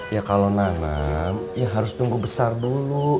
ya kalau nanam ya harus nunggu besar dulu